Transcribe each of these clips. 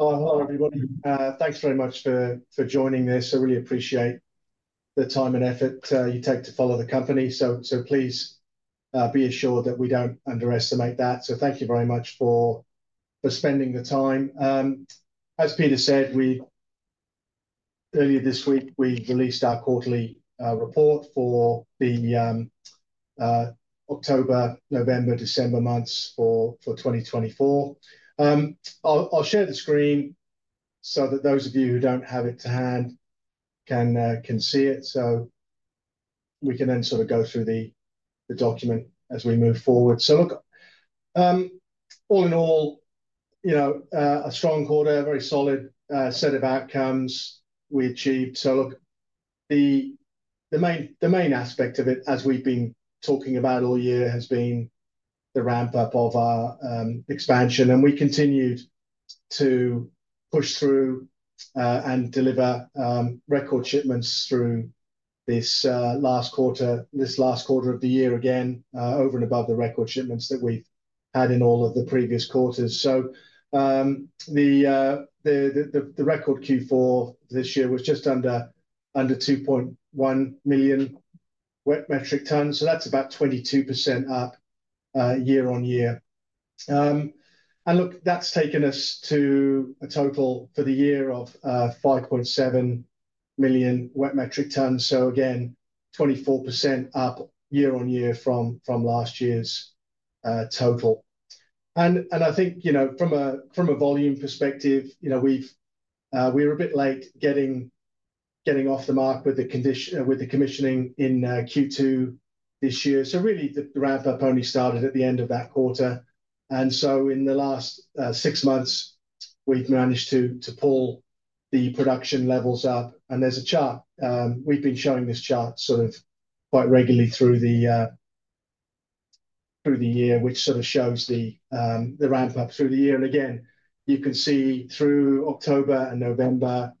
Hello, hello everybody. Thanks very much for joining this. I really appreciate the time and effort you take to follow the company. So please, be assured that we don't underestimate that. So thank you very much for spending the time. As Peter said, we earlier this week released our quarterly report for the October, November, December months for 2024. I'll share the screen so that those of you who don't have it to hand can see it so we can then sort of go through the document as we move forward. So look, all in all, you know, a strong quarter, very solid set of outcomes we achieved. So look, the main aspect of it, as we've been talking about all year, has been the ramp up of our expansion. We continued to push through and deliver record shipments through this last quarter of the year again, over and above the record shipments that we've had in all of the previous quarters. So the record Q4 this year was just under 2.1 million wet metric tons. So that's about 22% up, year on year. And look, that's taken us to a total for the year of 5.7 million wet metric tons. So again, 24% up year on year from last year's total. And I think, you know, from a volume perspective, you know, we've, we're a bit late getting off the mark with the commissioning in Q2 this year. So really the ramp up only started at the end of that quarter. In the last six months, we've managed to pull the production levels up. There's a chart we've been showing this chart sort of quite regularly through the year, which sort of shows the ramp up through the year. Again, you can see through October and November,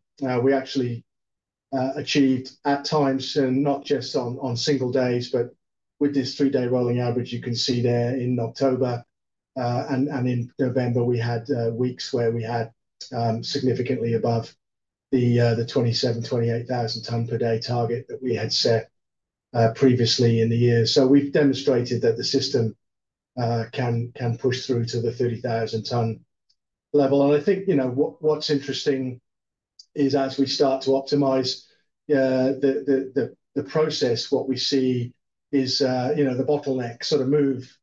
we actually achieved at times and not just on single days, but with this three-day rolling average you can see there in October and in November we had weeks where we had significantly above the 27,000-28,000 ton per day target that we had set previously in the year. We've demonstrated that the system can push through to the 30,000 ton level. And I think, you know, what's interesting is as we start to optimize the process, what we see is, you know, the bottlenecks sort of move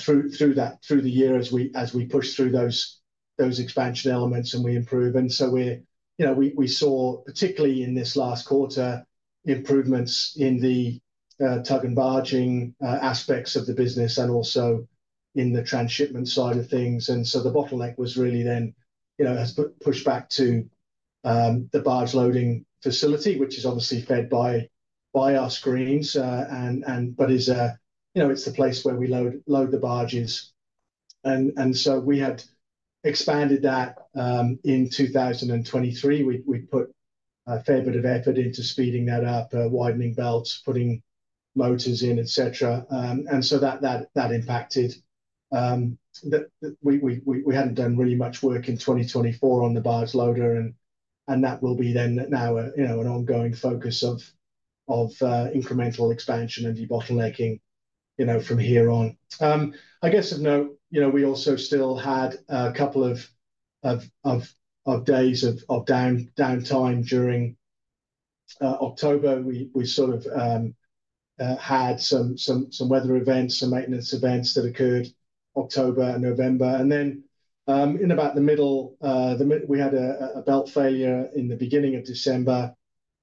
through the year as we push through those expansion elements and we improve. And so, you know, we saw particularly in this last quarter improvements in the tug and barging aspects of the business and also in the transshipment side of things. And so the bottleneck was really then, you know, has pushed back to the barge loading facility, which is obviously fed by our screens, and but is, you know, it's the place where we load the barges. And so we had expanded that in 2023. We put a fair bit of effort into speeding that up, widening belts, putting motors in, et cetera. And so that impacted, that we hadn't done really much work in 2024 on the barge loader. And that will be then now a, you know, an ongoing focus of incremental expansion and debottlenecking, you know, from here on. I guess of note, you know, we also still had a couple of days of downtime during October. We sort of had some weather events, some maintenance events that occurred October and November. Then, in about the middle, we had a belt failure in the beginning of December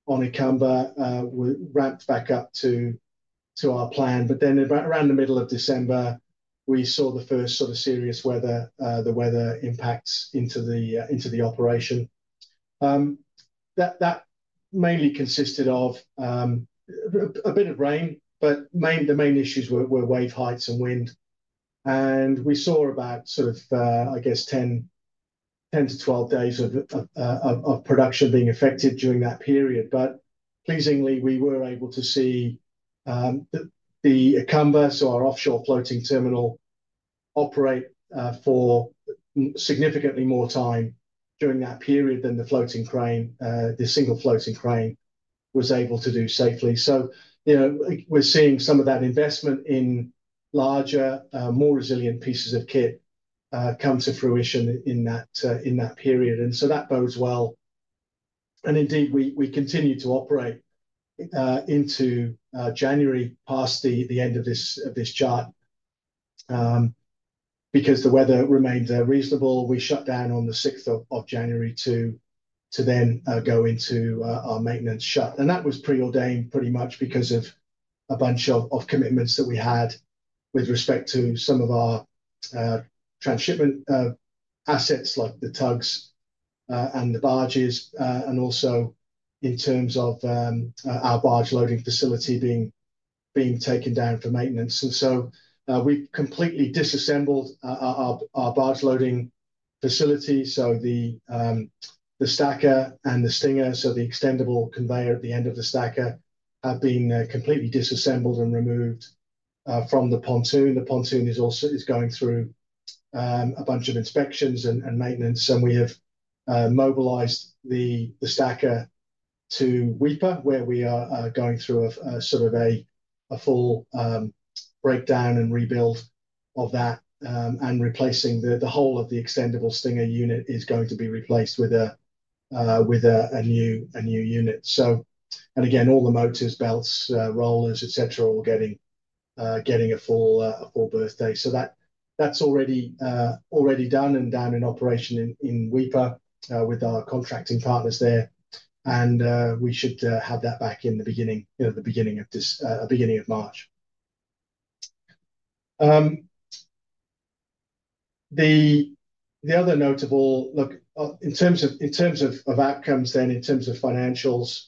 on Ikamba, ramped back up to our plan. But then around the middle of December, we saw the first sort of serious weather, the weather impacts into the operation. That mainly consisted of a bit of rain, but the main issues were wave heights and wind. We saw about sort of, I guess, 10 to 12 days of production being affected during that period. But pleasingly, we were able to see the Ikamba, so our offshore floating terminal, operate for significantly more time during that period than the floating crane, the single floating crane, was able to do safely. So, you know, we're seeing some of that investment in larger, more resilient pieces of kit come to fruition in that period. And so that bodes well. And indeed, we continue to operate into January past the end of this chart, because the weather remained reasonable. We shut down on the 6th of January to then go into our maintenance shut. That was preordained pretty much because of a bunch of commitments that we had with respect to some of our transshipment assets like the tugs, and the barges, and also in terms of our barge loading facility being taken down for maintenance. So, we've completely disassembled our barge loading facility. So the stacker and the stinger, so the extendable conveyor at the end of the stacker, have been completely disassembled and removed from the pontoon. The pontoon is also going through a bunch of inspections and maintenance. We have mobilized the stacker to Weipa where we are going through a sort of a full breakdown and rebuild of that, and replacing the whole of the extendable stinger unit is going to be replaced with a new unit. So, and again, all the motors, belts, rollers, et cetera, all getting a full birthday. So that's already done and down in operation in Weipa, with our contracting partners there. And we should have that back in the beginning, you know, the beginning of March. The other notable look in terms of outcomes in terms of financials,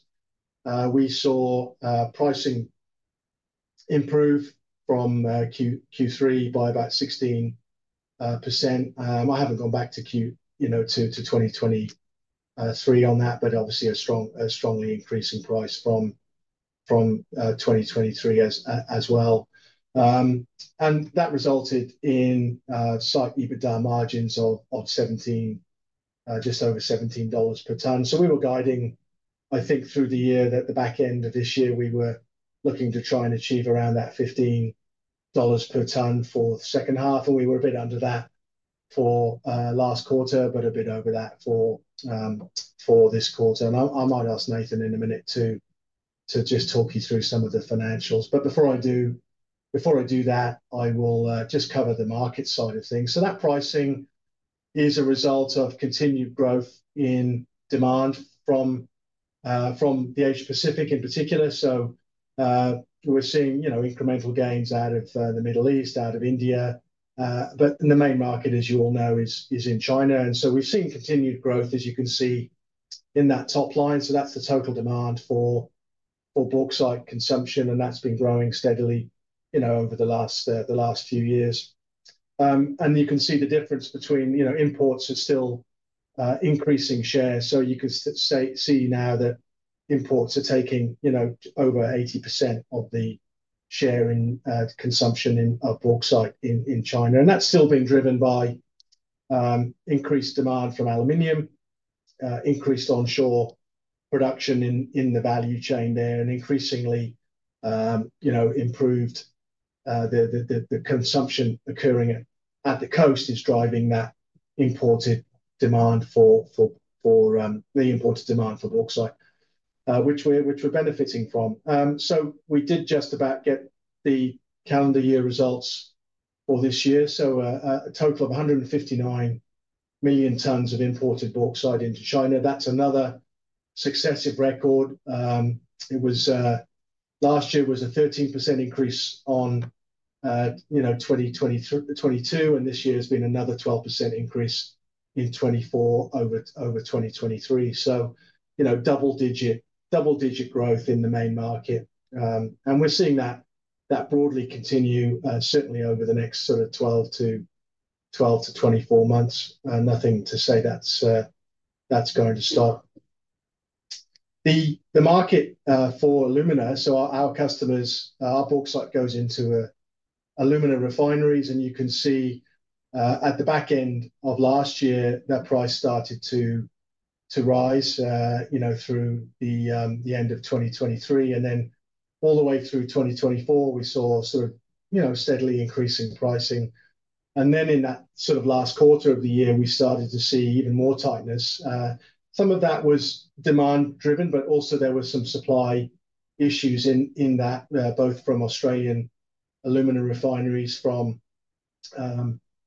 we saw pricing improve from Q3 by about 16%. I haven't gone back to Q, you know, to 2023 on that, but obviously a strongly increasing price from 2023 as well. And that resulted in slightly better margins of just over $17 per ton. We were guiding, I think, through the year that the back end of this year we were looking to try and achieve around that $15 per ton for the second half. We were a bit under that for last quarter, but a bit over that for this quarter. I might ask Nathan in a minute to just talk you through some of the financials. Before I do that, I will just cover the market side of things. That pricing is a result of continued growth in demand from the Asia Pacific in particular. We're seeing, you know, incremental gains out of the Middle East, out of India. But the main market, as you all know, is in China. We've seen continued growth, as you can see in that top line. So that's the total demand for bauxite consumption. And that's been growing steadily, you know, over the last few years. And you can see the difference between, you know, imports are still increasing share. So you can see now that imports are taking, you know, over 80% of the share in consumption of bauxite in China. And that's still being driven by increased demand from aluminum, increased onshore production in the value chain there, and increasingly, you know, improved the consumption occurring at the coast is driving that imported demand for the imported demand for bauxite, which we're benefiting from. So we did just about get the calendar year results for this year. So a total of 159 million tons of imported bauxite into China. That's another successive record. It was, last year was a 13% increase on, you know, 2023-22. And this year has been another 12% increase in 2024 over 2023. So, you know, double digit growth in the main market. And we're seeing that broadly continue, certainly over the next sort of 12 to 24 months. Nothing to say that's going to stop the market for alumina. So our customers, our bauxite goes into alumina refineries. And you can see, at the back end of last year, that price started to rise, you know, through the end of 2023. And then all the way through 2024, we saw sort of, you know, steadily increasing pricing. And then in that sort of last quarter of the year, we started to see even more tightness. Some of that was demand driven, but also there were some supply issues in that, both from Australian alumina refineries, from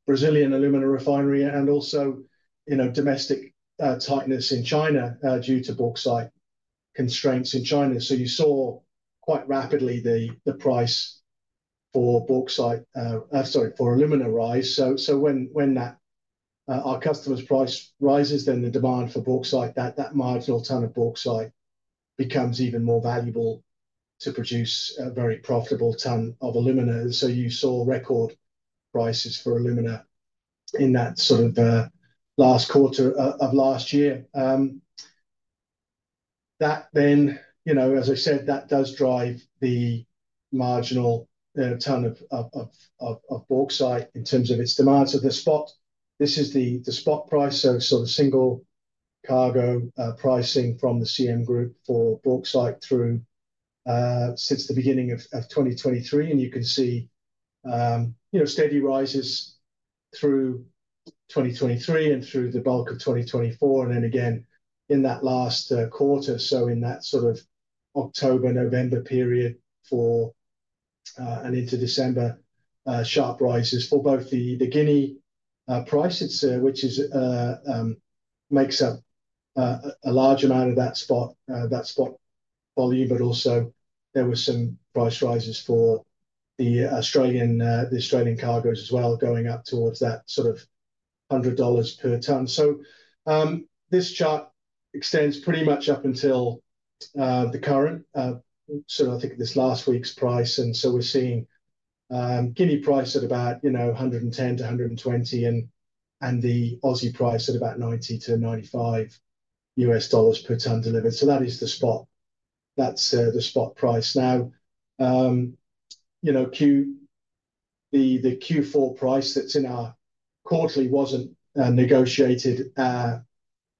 Brazilian alumina refinery, and also, you know, domestic tightness in China, due to bauxite constraints in China. So you saw quite rapidly the price for bauxite, sorry, for alumina rise. So when that, our customers' price rises, then the demand for bauxite, that marginal ton of bauxite becomes even more valuable to produce a very profitable ton of alumina. And so you saw record prices for alumina in that sort of last quarter of last year. That then, you know, as I said, that does drive the marginal ton of bauxite in terms of its demand. So the spot, this is the spot price. Sort of single-cargo pricing from the CM Group for bauxite since the beginning of 2023. You can see, you know, steady rises through 2023 and through the bulk of 2024. Then again in that last quarter, in that sort of October, November period and into December, sharp rises for both the Guinea prices, which makes up a large amount of that spot volume, but also there were some price rises for the Australian cargoes as well going up towards that sort of $100 per ton. This chart extends pretty much up until the current, sort of I think this last week's price, so we're seeing Guinea price at about, you know, $110-$120 and the Aussie price at about $90-$95 per ton delivered. So that is the spot. That's the spot price. Now, you know, the Q4 price that's in our quarterly wasn't negotiated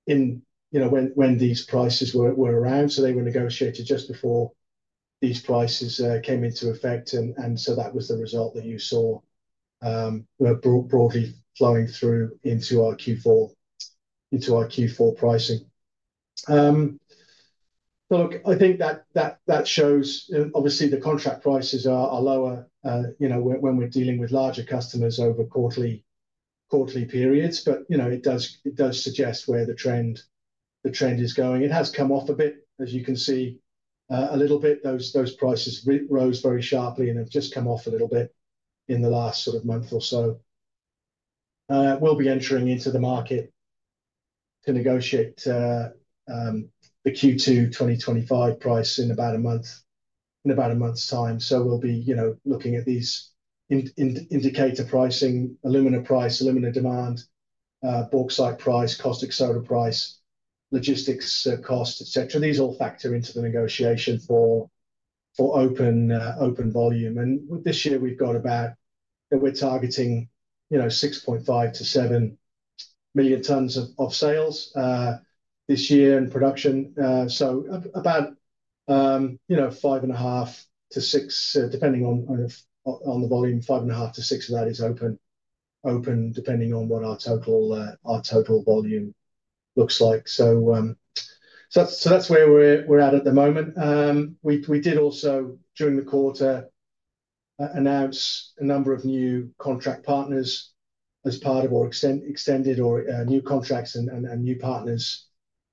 in, you know, when these prices were around. So they were negotiated just before these prices came into effect. And so that was the result that you saw were broadly flowing through into our Q4 pricing. Look, I think that shows, obviously, the contract prices are lower, you know, when we're dealing with larger customers over quarterly periods. But, you know, it does suggest where the trend is going. It has come off a bit, as you can see, a little bit. Those prices rose very sharply and have just come off a little bit in the last sort of month or so. we'll be entering into the market to negotiate, the Q2 2025 price in about a month, in about a month's time. So we'll be, you know, looking at these in indicator pricing, alumina price, alumina demand, bauxite price, caustic soda price, logistics cost, et cetera. These all factor into the negotiation for for open, open volume. And with this year, we've got about that we're targeting, you know, 6.5 to 7 million tons of of sales, this year in production. so about, you know, five and a half to six, depending on on the on the volume, five and a half to six of that is open, open depending on what our total, our total volume looks like. So, so that's so that's where we're we're at at the moment. We did also during the quarter announce a number of new contract partners as part of our extended or new contracts and new partners.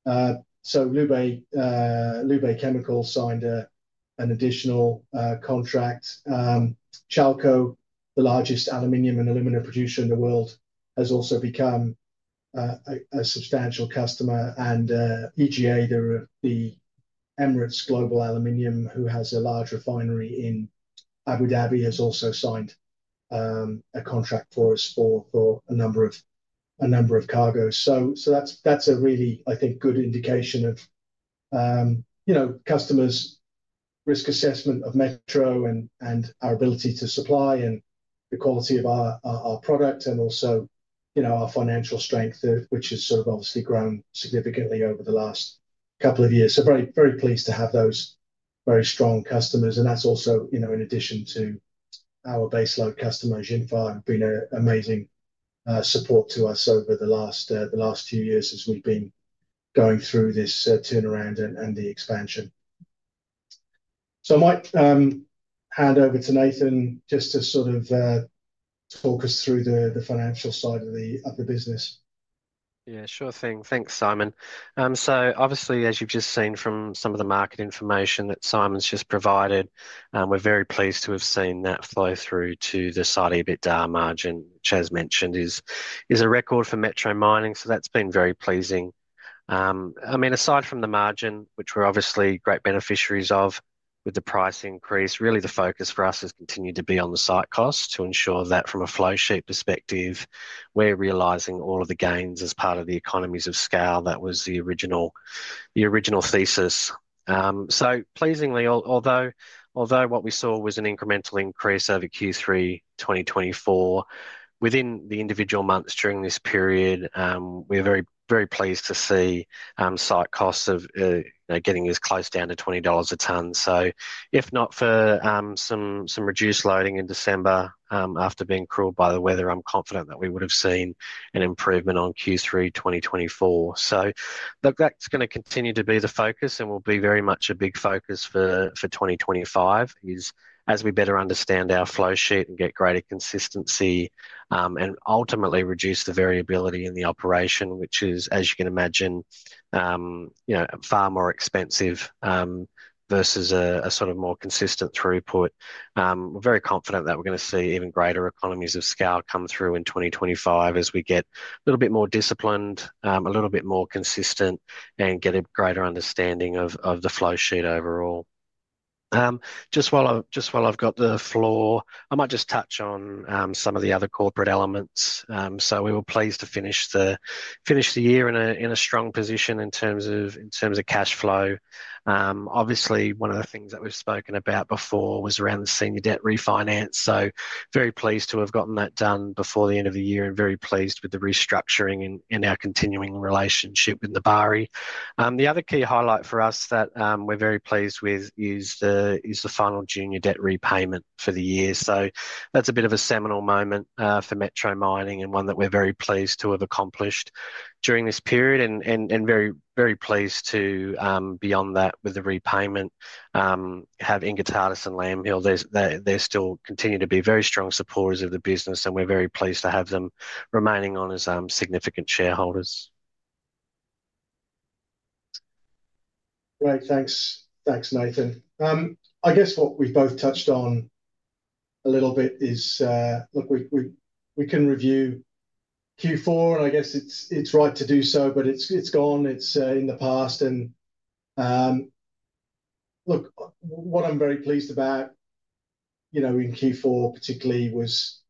So Lubei Chemical signed an additional contract. Chalco, the largest aluminum and alumina producer in the world, has also become a substantial customer. And EGA, the Emirates Global Aluminium, who has a large refinery in Abu Dhabi, has also signed a contract for us for a number of cargoes. So that's a really, I think, good indication of, you know, customers' risk assessment of Metro and our ability to supply and the quality of our product and also, you know, our financial strength, which has sort of obviously grown significantly over the last couple of years. So very pleased to have those very strong customers. And that's also, you know, in addition to our baseload customers, Xinfa have been an amazing support to us over the last, the last few years as we've been going through this turnaround and the expansion. So I might hand over to Nathan just to sort of talk us through the financial side of the business. Yeah, sure thing. Thanks, Simon. So obviously, as you've just seen from some of the market information that Simon's just provided, we're very pleased to have seen that flow through to the EBITDA margin, which, as mentioned, is a record for Metro Mining. So that's been very pleasing. I mean, aside from the margin, which we're obviously great beneficiaries of with the price increase, really the focus for us has continued to be on the site cost to ensure that from a flowsheet perspective, we're realizing all of the gains as part of the economies of scale. That was the original thesis. Pleasingly, although what we saw was an incremental increase over Q3 2024 within the individual months during this period, we're very, very pleased to see site costs getting as close down to 20 dollars a ton. If not for some reduced loading in December, after being crippled by the weather, I'm confident that we would have seen an improvement on Q3 2024. So look, that's going to continue to be the focus and will be very much a big focus for 2025, as we better understand our flowsheet and get greater consistency, and ultimately reduce the variability in the operation, which is, as you can imagine, you know, far more expensive versus a sort of more consistent throughput. We're very confident that we're going to see even greater economies of scale come through in 2025 as we get a little bit more disciplined, a little bit more consistent, and get a greater understanding of the flowsheet overall. Just while I've got the floor, I might just touch on some of the other corporate elements. So we were pleased to finish the year in a strong position in terms of cash flow. Obviously, one of the things that we've spoken about before was around the senior debt refinance. So very pleased to have gotten that done before the end of the year and very pleased with the restructuring in our continuing relationship with Nebari. The other key highlight for us that we're very pleased with is the final junior debt repayment for the year. So that's a bit of a seminal moment for Metro Mining and one that we're very pleased to have accomplished during this period and very pleased to, beyond that with the repayment, have Ingwat and Lambhill. They're still continue to be very strong supporters of the business and we're very pleased to have them remaining on as significant shareholders. Great. Thanks. Thanks, Nathan. I guess what we've both touched on a little bit is, look, we can review Q4 and I guess it's right to do so, but it's gone. It's in the past. And look, what I'm very pleased about, you know, in Q4 particularly was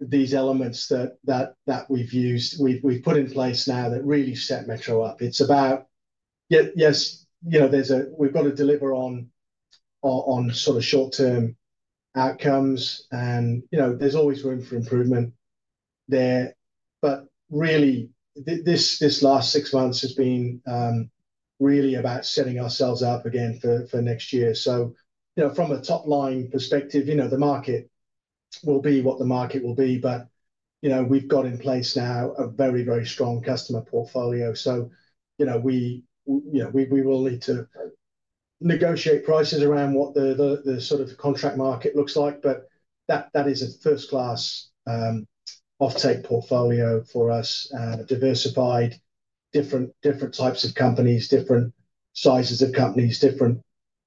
these elements that we've used, we've put in place now that really set Metro up. It's about, yes, you know, we've got to deliver on sort of short-term outcomes and, you know, there's always room for improvement there. But really this last six months has been really about setting ourselves up again for next year. So, you know, from a top-line perspective, you know, the market will be what the market will be. But, you know, we've got in place now a very, very strong customer portfolio. So, you know, we will need to negotiate prices around what the sort of contract market looks like. But that is a first-class offtake portfolio for us and diversified different types of companies, different sizes of companies, different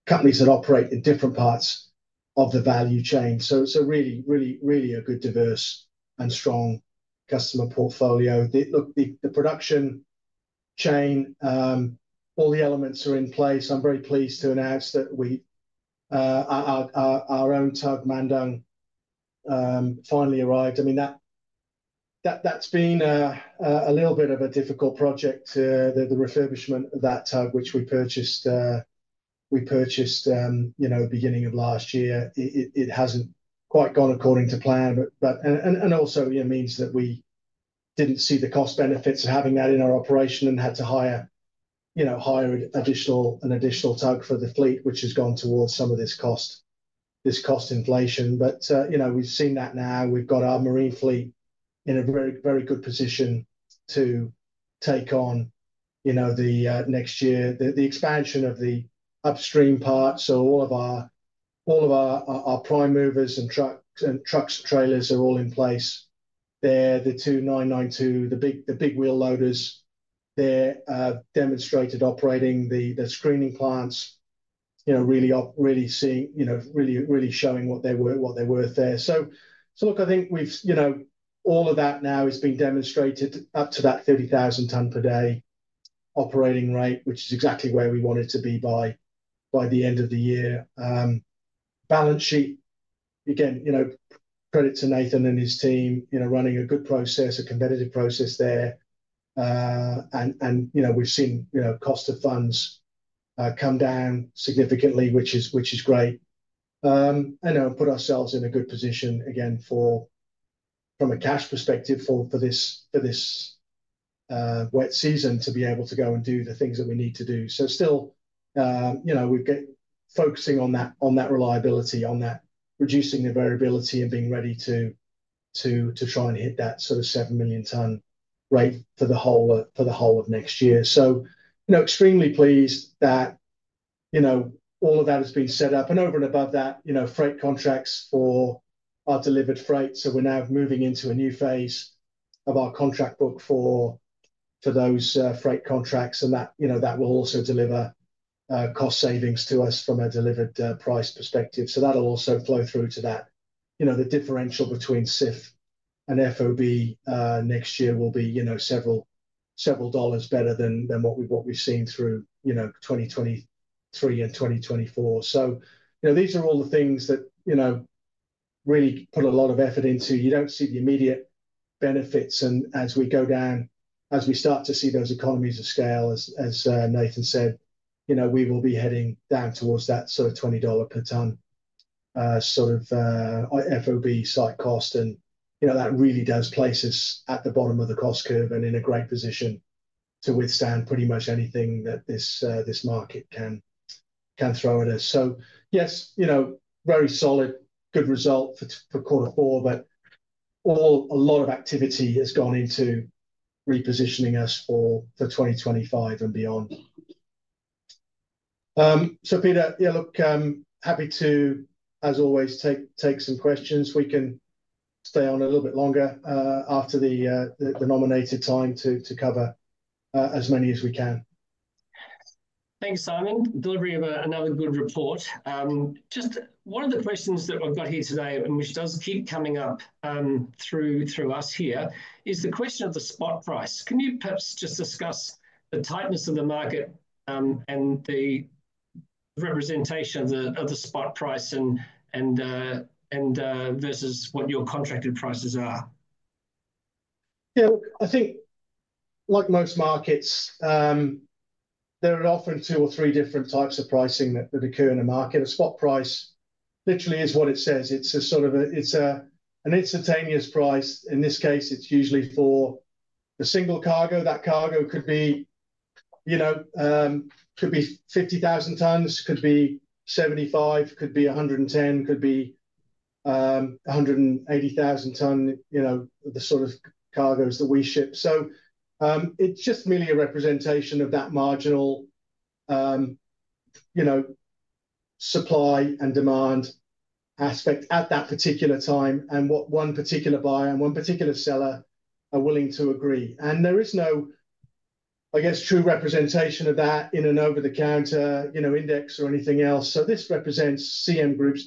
companies that operate in different parts of the value chain. So it's a really, really, really a good, diverse and strong customer portfolio. Look, the production chain, all the elements are in place. I'm very pleased to announce that our own tug, Mundung, finally arrived. I mean, that's been a little bit of a difficult project, the refurbishment of that tug, which we purchased, you know, at the beginning of last year. It hasn't quite gone according to plan. But also, you know, means that we didn't see the cost benefits of having that in our operation and had to hire, you know, an additional tug for the fleet, which has gone towards some of this cost inflation. But, you know, we've seen that now. We've got our marine fleet in a very, very good position to take on, you know, next year, the expansion of the upstream parts. So all of our prime movers and trucks and trailers are all in place there. The two 992, the big wheel loaders, they're demonstrated operating the screening plants, you know, really really seeing, you know, really really showing what they were there. Look, I think we've, you know, all of that now has been demonstrated up to that 30,000-ton per day operating rate, which is exactly where we wanted to be by the end of the year. Balance sheet, again, you know, credit to Nathan and his team, you know, running a good process, a competitive process there. You know, we've seen, you know, cost of funds come down significantly, which is great. You know, put ourselves in a good position again from a cash perspective for this wet season to be able to go and do the things that we need to do. So still, you know, we've got focusing on that reliability, on that reducing the variability and being ready to try and hit that sort of 7 million ton rate for the whole of next year. So, you know, extremely pleased that, you know, all of that has been set up. And over and above that, you know, freight contracts for our delivered freight. So we're now moving into a new phase of our contract book for those freight contracts and that, you know, that will also deliver cost savings to us from a delivered price perspective. So that'll also flow through to that, you know, the differential between CIF and FOB. Next year will be, you know, several dollars better than what we've seen through, you know, 2023 and 2024. So, you know, these are all the things that, you know, really put a lot of effort into. You don't see the immediate benefits. And as we go down, as we start to see those economies of scale, as Nathan said, you know, we will be heading down towards that sort of 20 dollar per ton, sort of, FOB site cost. And, you know, that really does place us at the bottom of the cost curve and in a great position to withstand pretty much anything that this market can throw at us. So, yes, you know, very solid good result for quarter four, but a lot of activity has gone into repositioning us for 2025 and beyond. So, Peter, yeah, look, happy to, as always, take some questions. We can stay on a little bit longer, after the nominated time to cover as many as we can. Thanks, Simon. Delivery of another good report. Just one of the questions that I've got here today, and which does keep coming up through us here, is the question of the spot price. Can you perhaps just discuss the tightness of the market, and the representation of the spot price and versus what your contracted prices are? Yeah, look, I think like most markets, there are often two or three different types of pricing that occur in a market. A spot price literally is what it says. It's a sort of it's an instantaneous price. In this case, it's usually for a single cargo. That cargo could be, you know, could be 50,000 tons, could be 75, could be 110, could be 180,000 ton, you know, the sort of cargoes that we ship. So, it's just merely a representation of that marginal, you know, supply and demand aspect at that particular time and what one particular buyer and one particular seller are willing to agree. And there is no, I guess, true representation of that in an over-the-counter, you know, index or anything else. So this represents CM Group's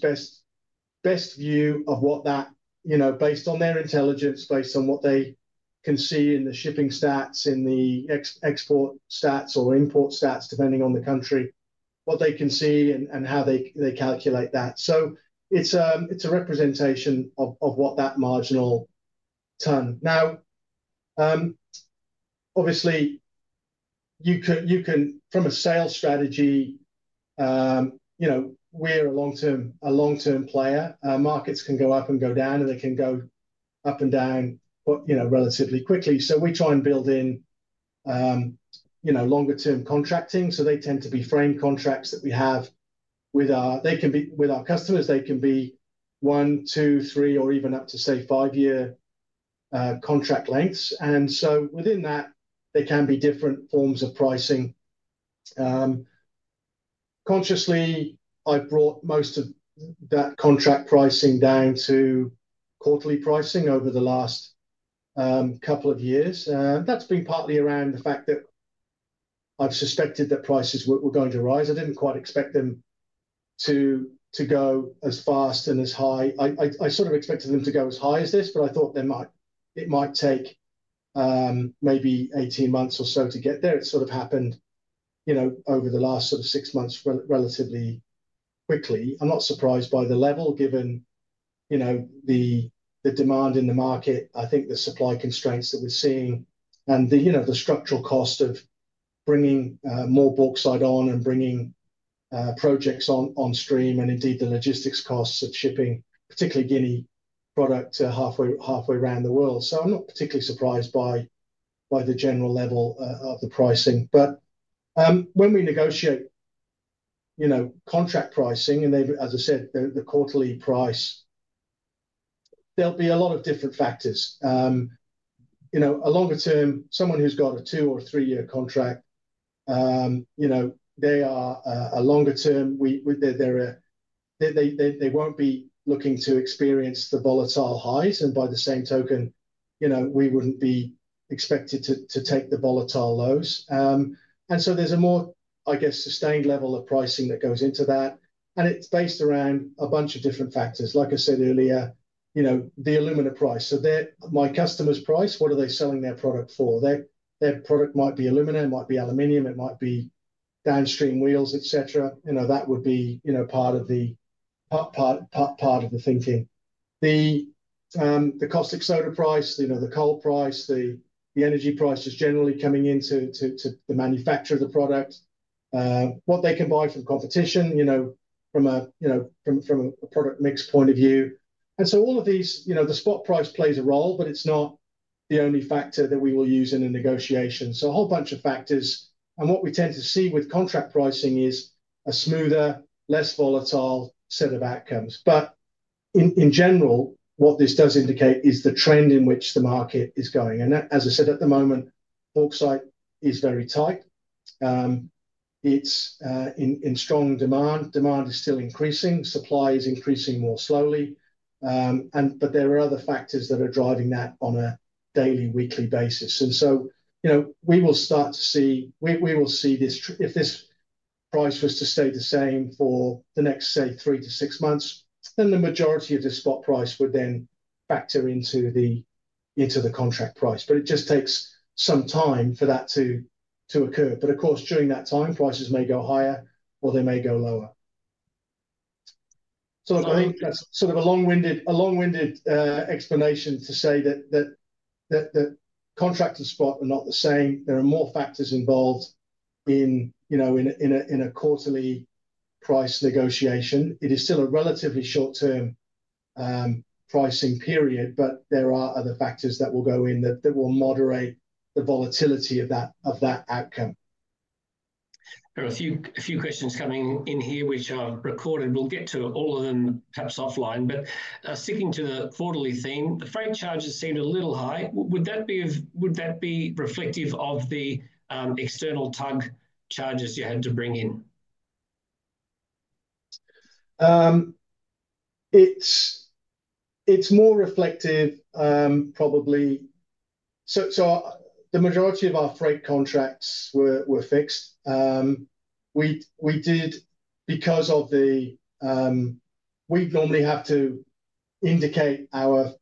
best view of what that, you know, based on their intelligence, based on what they can see in the shipping stats, in the export stats or import stats, depending on the country, what they can see and how they calculate that. So it's a representation of what that marginal ton. Now, obviously, you can from a sales strategy, you know, we're a long-term player. Markets can go up and go down and they can go up and down, but, you know, relatively quickly. So we try and build in, you know, longer-term contracting. So they tend to be frame contracts that we have with our customers. They can be one, two, three, or even up to, say, five-year contract lengths. And so within that, there can be different forms of pricing. Consciously, I've brought most of that contract pricing down to quarterly pricing over the last couple of years. And that's been partly around the fact that I've suspected that prices were going to rise. I didn't quite expect them to go as fast and as high. I sort of expected them to go as high as this, but I thought it might take maybe 18 months or so to get there. It sort of happened, you know, over the last sort of six months relatively quickly. I'm not surprised by the level given, you know, the demand in the market. I think the supply constraints that we're seeing and the, you know, the structural cost of bringing more bauxite on and bringing projects on stream and indeed the logistics costs of shipping, particularly Guinea product to halfway around the world. So I'm not particularly surprised by the general level of the pricing. But when we negotiate, you know, contract pricing and they've, as I said, the quarterly price, there'll be a lot of different factors. You know, a longer-term, someone who's got a two or three-year contract, you know, they are a longer-term. We're a longer-term. They won't be looking to experience the volatile highs. And by the same token, you know, we wouldn't be expected to take the volatile lows, and so there's a more, I guess, sustained level of pricing that goes into that. It's based around a bunch of different factors. Like I said earlier, you know, the aluminum price. So, their customer's price. What are they selling their product for? Their product might be aluminum, it might be downstream wheels, et cetera. You know, that would be, you know, part of the thinking. The cost ex-works price, you know, the coal price, the energy price is generally coming into the manufacturer of the product, what they can buy from competition, you know, from a, you know, from a product mix point of view. And so all of these, you know, the spot price plays a role, but it's not the only factor that we will use in a negotiation, so a whole bunch of factors, and what we tend to see with contract pricing is a smoother, less volatile set of outcomes, but in general, what this does indicate is the trend in which the market is going, and as I said, at the moment, bauxite is very tight. It's in strong demand. Demand is still increasing. Supply is increasing more slowly. But there are other factors that are driving that on a daily, weekly basis. And so, you know, we will start to see this if this price was to stay the same for the next, say, three to six months, then the majority of this spot price would then factor into the contract price. But it just takes some time for that to occur. But of course, during that time, prices may go higher or they may go lower. So I think that's sort of a long-winded explanation to say that contract or spot are not the same. There are more factors involved in, you know, in a quarterly price negotiation. It is still a relatively short-term pricing period, but there are other factors that will go in that that will moderate the volatility of that outcome. There are a few questions coming in here, which are recorded. We'll get to all of them perhaps offline. But sticking to the quarterly theme, the freight charges seemed a little high. Would that be reflective of the external tug charges you had to bring in? It's more reflective, probably. So the majority of our freight contracts were fixed. We did because of the. We normally have to indicate our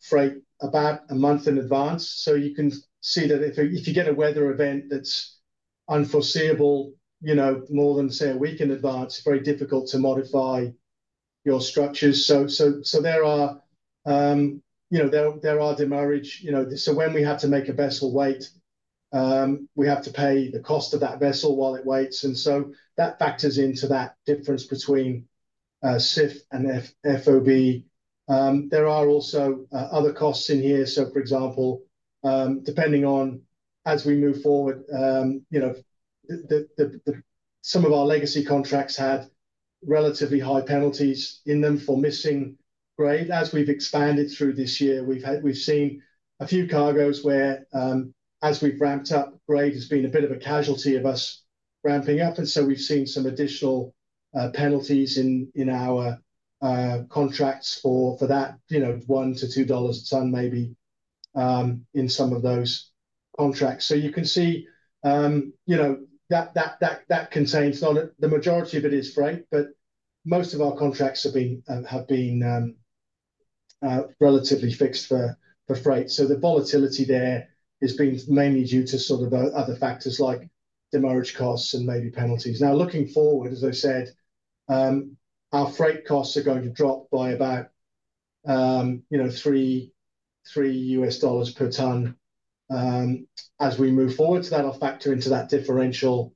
freight about a month in advance. So you can see that if you get a weather event that's unforeseeable, you know, more than, say, a week in advance, it's very difficult to modify your structures. There are, you know, demurrage, you know, so when we have to make a vessel wait, we have to pay the cost of that vessel while it waits. And so that factors into that difference between CIF and FOB. There are also other costs in here. For example, depending on as we move forward, you know, some of our legacy contracts had relatively high penalties in them for missing grade. As we've expanded through this year, we've seen a few cargoes where, as we've ramped up, grade has been a bit of a casualty of us ramping up. And so we've seen some additional penalties in our contracts for that, you know, 1-2 dollars a ton maybe, in some of those contracts. So you can see, you know, that contains not the majority of it is freight, but most of our contracts have been relatively fixed for freight. So the volatility there has been mainly due to sort of other factors like demurrage costs and maybe penalties. Now looking forward, as I said, our freight costs are going to drop by about, you know, $3 per ton as we move forward, so that'll factor into that differential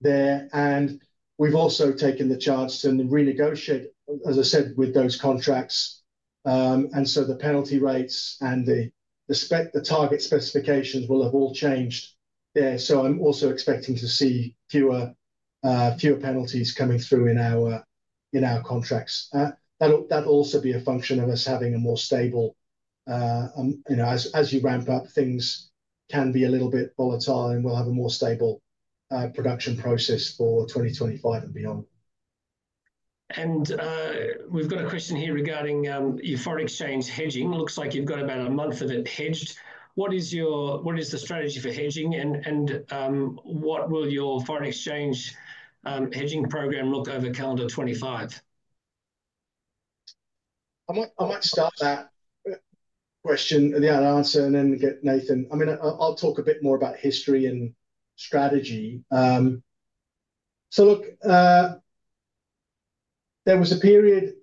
there. And we've also taken the charge to renegotiate, as I said, with those contracts, and so the penalty rates and the spec, the target specifications will have all changed there. So I'm also expecting to see fewer penalties coming through in our contracts. That'll also be a function of us having a more stable, you know, as you ramp up, things can be a little bit volatile and we'll have a more stable production process for 2025 and beyond. We've got a question here regarding your foreign exchange hedging. Looks like you've got about a month of it hedged. What is your strategy for hedging and what will your foreign exchange hedging program look over calendar 2025? I might start that question and the answer and then get Nathan. I mean, I'll talk a bit more about history and strategy. So look, there was a period,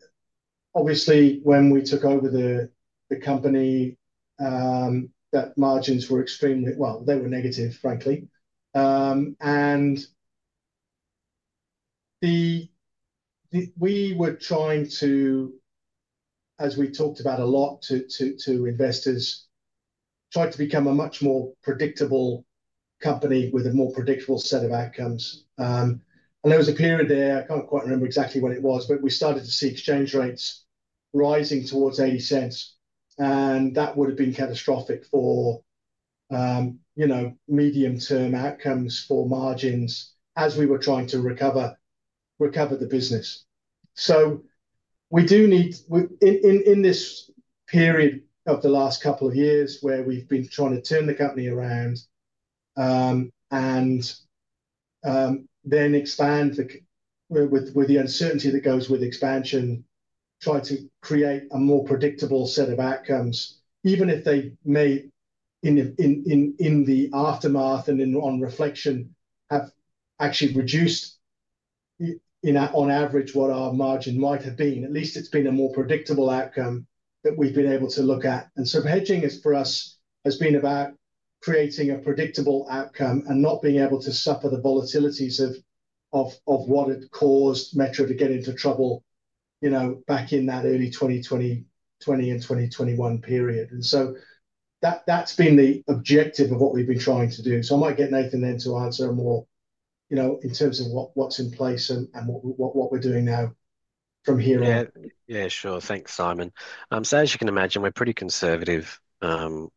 obviously, when we took over the company, that margins were extremely well, they were negative, frankly. We were trying to, as we talked about a lot to investors, try to become a much more predictable company with a more predictable set of outcomes. There was a period there. I can't quite remember exactly when it was, but we started to see exchange rates rising towards 80 cents. That would have been catastrophic for, you know, medium-term outcomes for margins as we were trying to recover the business. So we do need in this period of the last couple of years where we've been trying to turn the company around, and then expand with the uncertainty that goes with expansion, try to create a more predictable set of outcomes, even if they may in the aftermath and on reflection have actually reduced on average what our margin might have been. At least it's been a more predictable outcome that we've been able to look at. And so hedging is for us has been about creating a predictable outcome and not being able to suffer the volatilities of what it caused Metro to get into trouble, you know, back in that early 2020 and 2021 period. And so that's been the objective of what we've been trying to do. So I might get Nathan then to answer more, you know, in terms of what's in place and what we're doing now from here on. Yeah, sure. Thanks, Simon. So as you can imagine, we're pretty conservative,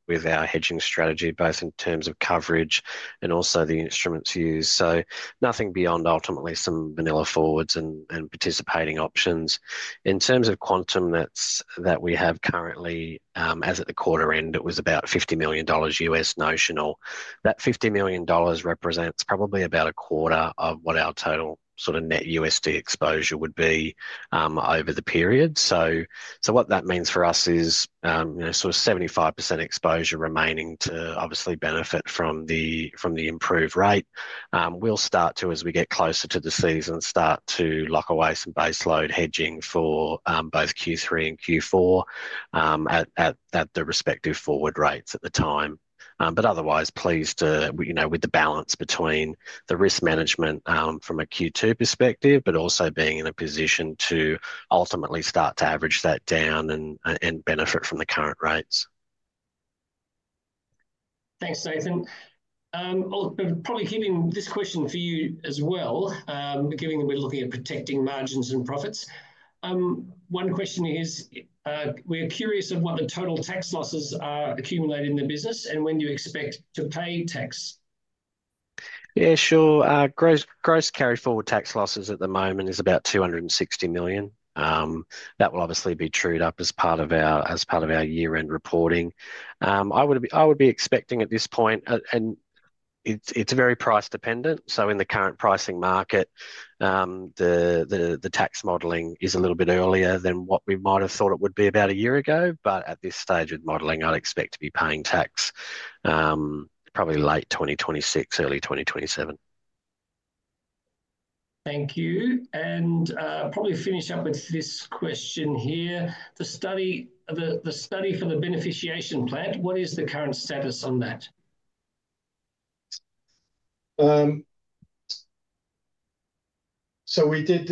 with our hedging strategy, both in terms of coverage and also the instruments used. So nothing beyond ultimately some vanilla forwards and participating options. In terms of quantum that's what we have currently, as at the quarter end, it was about $50 million US notional. That $50 million represents probably about a quarter of what our total sort of net USD exposure would be, over the period. So what that means for us is, you know, sort of 75% exposure remaining to obviously benefit from the improved rate. We'll start to, as we get closer to the season, start to lock away some base load hedging for both Q3 and Q4, at the respective forward rates at the time. But otherwise pleased to, you know, with the balance between the risk management from a Q2 perspective, but also being in a position to ultimately start to average that down and benefit from the current rates. Thanks, Nathan. I'll probably keeping this question for you as well, given that we're looking at protecting margins and profits. One question is, we're curious of what the total tax losses are accumulating in the business and when you expect to pay tax. Yeah, sure. Gross carry forward tax losses at the moment is about 260 million. That will obviously be trued up as part of our year-end reporting. I would be expecting at this point, and it's very price dependent. So in the current pricing market, the tax modeling is a little bit earlier than what we might have thought it would be about a year ago. But at this stage of modeling, I'd expect to be paying tax, probably late 2026, early 2027. Thank you and probably finish up with this question here. The study for the beneficiation plant, what is the current status on that? We did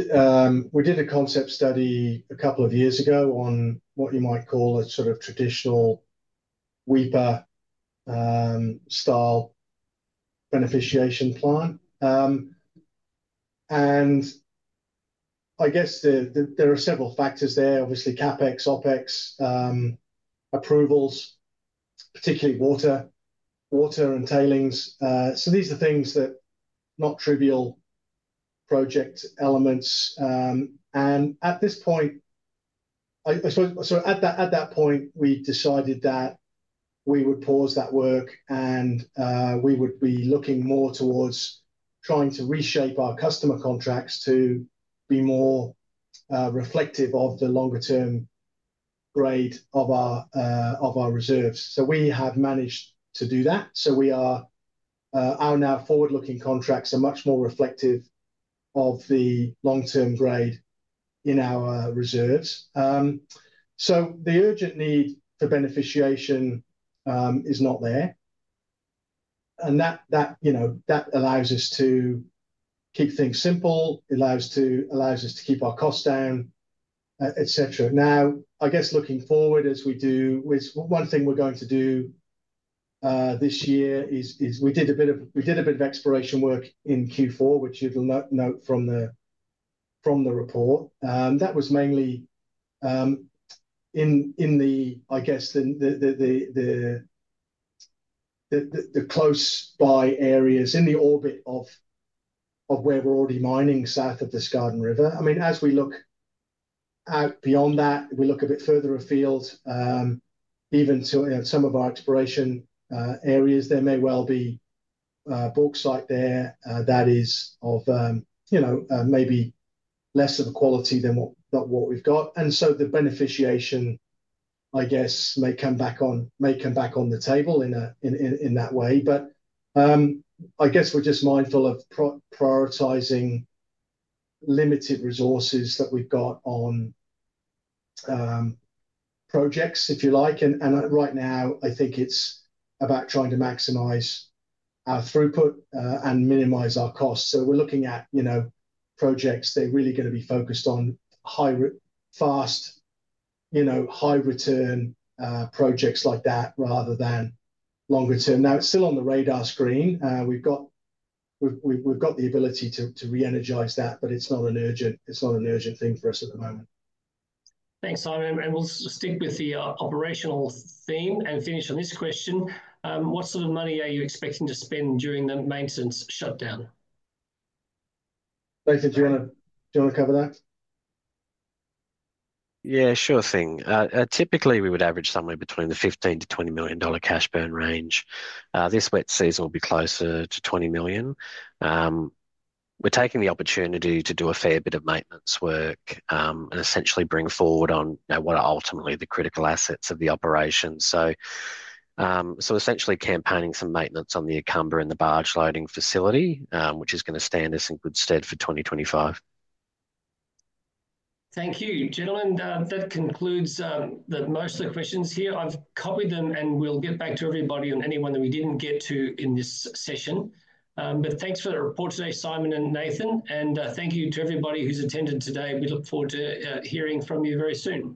a concept study a couple of years ago on what you might call a sort of traditional Weipa-style beneficiation plant. I guess there are several factors there, obviously CAPEX, OPEX, approvals, particularly water and tailings. These are things that are not trivial project elements. At this point, I suppose, at that point, we decided that we would pause that work and we would be looking more towards trying to reshape our customer contracts to be more reflective of the longer-term grade of our reserves. We have managed to do that. We are, our now forward-looking contracts are much more reflective of the long-term grade in our reserves. The urgent need for beneficiation is not there. That, you know, that allows us to keep things simple, allows us to keep our costs down, et cetera. Now, I guess looking forward as we do, it's one thing we're going to do this year is we did a bit of exploration work in Q4, which you'll note from the report. That was mainly in the, I guess, the close by areas in the orbit of where we're already mining south of the Skardon River. I mean, as we look out beyond that, we look a bit further afield, even to some of our exploration areas, there may well be a bauxite there that is of, you know, maybe less of a quality than what we've got. And so the beneficiation, I guess, may come back on the table in that way. But, I guess we're just mindful of prioritizing limited resources that we've got on projects, if you like. And right now, I think it's about trying to maximize our throughput, and minimize our costs. So we're looking at, you know, projects, they're really going to be focused on high ROI, you know, high return projects like that rather than longer term. Now, it's still on the radar screen. We've got the ability to re-energize that, but it's not an urgent thing for us at the moment. Thanks, Simon. And we'll stick with the operational theme and finish on this question. What sort of money are you expecting to spend during the maintenance shutdown? Nathan, do you want to cover that? Yeah, sure thing. Typically, we would average somewhere between 15-20 million dollar cash burn range. This wet season will be closer to 20 million. We're taking the opportunity to do a fair bit of maintenance work, and essentially bring forward on, you know, what are ultimately the critical assets of the operation. So essentially campaigning some maintenance on the Ikamba and the barge loading facility, which is going to stand us in good stead for 2025. Thank you, gentlemen. That concludes most of the questions here. I've copied them and we'll get back to everybody on anyone that we didn't get to in this session, but thanks for the report today, Simon and Nathan, and thank you to everybody who's attended today. We look forward to hearing from you very soon.